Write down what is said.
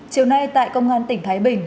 chiều nay tại công an tỉnh thái bình